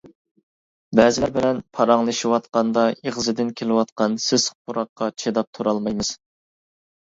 بەزىلەر بىلەن پاراڭلىشىۋاتقاندا ئېغىزىدىن كېلىۋاتقان سېسىق پۇراققا چىداپ تۇرالمايمىز.